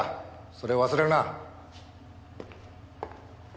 それを忘れるな。